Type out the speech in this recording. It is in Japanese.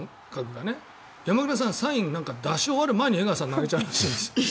山倉さんサインを出し終わる前に江川さんが投げちゃうらしいんです。